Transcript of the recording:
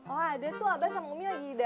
oh ada tuh abas sama umi lagi di dalam